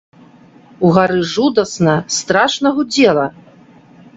Угары жудасна, страшна гудзела.